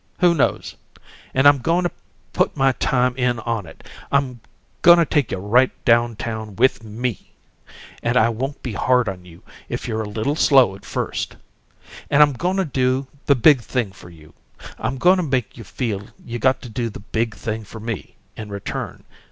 Who knows? And I'm goin' to put my time in on it. I'm goin' to take you right down town with ME, and I won't be hard on you if you're a little slow at first. And I'm goin' to do the big thing for you. I'm goin' to make you feel you got to do the big thing for me, in return.